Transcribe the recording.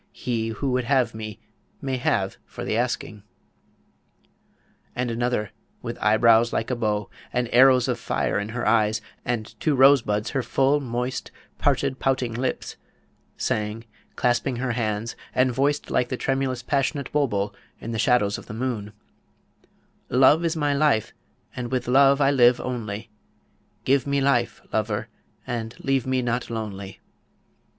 He who would have me, may have for the asking. And another, with eyebrows like a bow, and arrows of fire in her eyes, and two rosebuds her full moist parted pouting lips, sang, clasping her hands, and voiced like the tremulous passionate bulbul in the shadows of the moon: Love is my life, and with love I live only; Give me life, lover, and leave me not lonely.